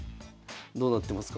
どうなってますかこれ。